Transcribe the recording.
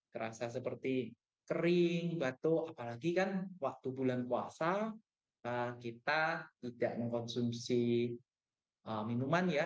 terasa seperti kering batuk apalagi kan waktu bulan puasa kita tidak mengkonsumsi minuman ya